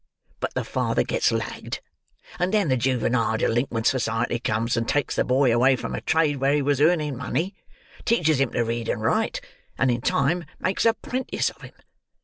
But the father gets lagged; and then the Juvenile Delinquent Society comes, and takes the boy away from a trade where he was earning money, teaches him to read and write, and in time makes a 'prentice of him.